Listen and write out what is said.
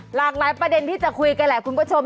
หลากหลายประเด็นที่จะคุยกันแหละคุณผู้ชม